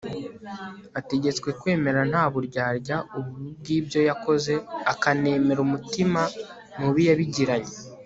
ategetswe kwemera nta buryarya ububi bw'ibyo yakoze, akanemera umutima mubi yabigiranye